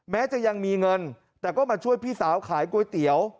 แม้จะยังมีเงินแต่ก็มาช่วยพี่สาวขายก๋วยเตี๋ยว